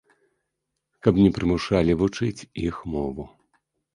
Каб не прымушалі вучыць іх мову.